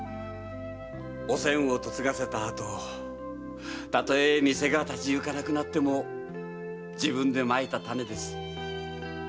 おせんを嫁がせた後たとえ店が立ちゆかなくなっても自分で蒔いた種です。